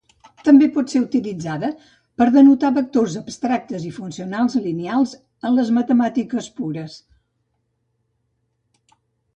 També pot ser utilitzada per denotar vectors abstractes i funcionals lineals en les matemàtiques pures.